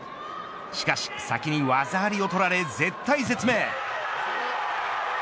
しかし、先に技ありを取られ絶体絶命。